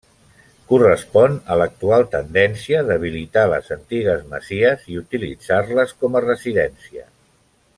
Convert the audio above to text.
Correspon a l'actual tendència d'habilitar les antigues masies i utilitzar-les com a residència.